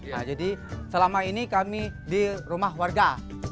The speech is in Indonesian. nah jadi selama ini kami di rumah warga